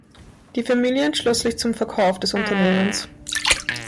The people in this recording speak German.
Die Familie entschloss sich zum Verkauf des Unternehmens.